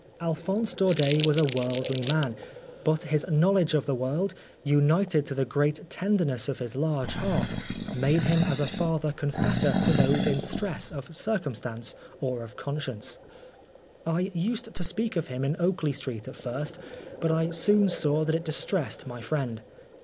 Alphonse Daudet was a worldly man, but his knowledge of the world, united to the great tenderness of his large heart, made him as a father confessor to those in stress of circumstance or of conscience. I used to speak of him in Oakley Street at first, but I soon saw that it distressed my friend.